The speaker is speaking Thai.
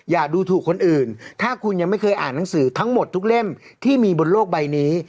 อย่าดูถูกคนอื่นถ้าคุณยังไม่เคยอ่านหนังสือทั้งหมดทุกเล่มที่มีบนโลกใบนี้